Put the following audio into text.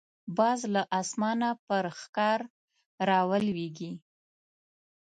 باز له اسمانه پر ښکار راولويږي